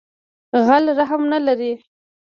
غل رحم نه لری